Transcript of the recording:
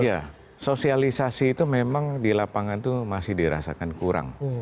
iya sosialisasi itu memang di lapangan itu masih dirasakan kurang